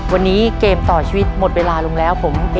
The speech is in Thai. วันนี้เกมต่อชีวิตหมดเวลาลงแล้วผม